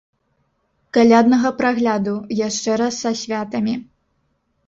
Каляднага прагляду, яшчэ раз са святамі!